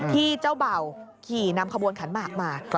ที่เจ้าเบ่าขี่นำขบวนขันหมากมา